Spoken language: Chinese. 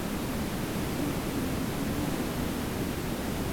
巍焕楼的历史年代为清代。